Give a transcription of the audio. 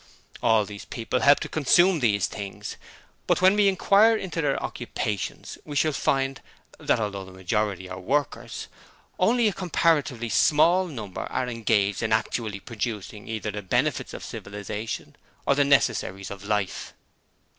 All these people help to consume these things, but when we inquire into their occupations we shall find that although the majority are workers, only a comparatively small number are engaged in actually producing either the benefits of civilization or the necessaries of life.'...